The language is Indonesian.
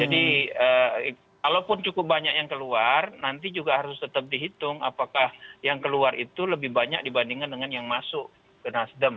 jadi kalaupun cukup banyak yang keluar nanti juga harus tetap dihitung apakah yang keluar itu lebih banyak dibandingkan dengan yang masuk ke nasdem